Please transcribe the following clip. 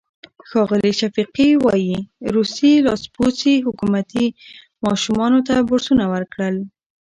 ښاغلی شفیقي وايي، روسي لاسپوڅي حکومت ماشومانو ته بورسونه ورکړل.